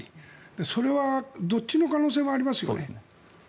それはどっちの可能性もありますよね。